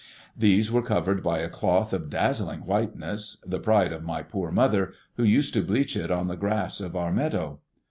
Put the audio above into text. These were covered by a cloth of dazzling whiteness, the pride of my poor mother, who used to bleach it on the grass of our meadow.